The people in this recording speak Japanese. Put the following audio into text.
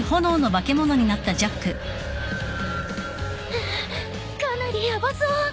ひっかなりヤバそう！